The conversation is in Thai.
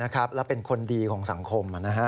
และเป็นคนดีของสังคม